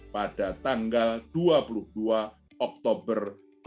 pada tanggal dua puluh dua oktober dua ribu dua puluh